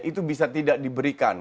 itu bisa tidak diberikan